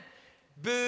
ブー！